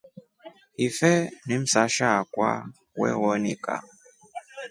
Ife ni msasha akwa wewonika.